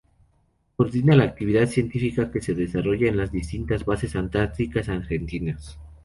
Coordina la actividad científica que se desarrolla en las distintas bases antárticas argentinas.